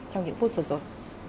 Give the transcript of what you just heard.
trong những phút vừa rồi